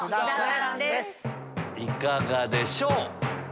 いかがでしょう？